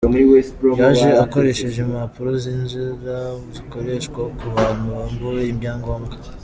Yaje akoresheje impapuro z’inzira zikoreshwa ku bantu bambuwe ibyangombwa.